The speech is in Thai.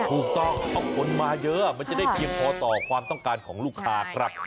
ถูกต้องเพราะคนมาเยอะมันจะได้เพียงพอต่อความต้องการของลูกค้าครับ